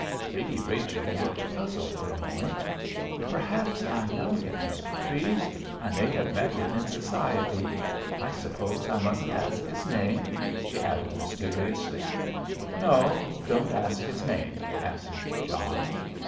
Lady Rachel looked puzzled for a moment. "Perhaps I know him, Mr. Treves. I may have met him in society. I suppose I mustn't ask his name?" she added mysteriously. "No, don't ask his name," answered John.